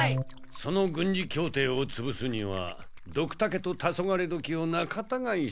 その軍事協定をつぶすにはドクタケとタソガレドキをなかたがいさせれば。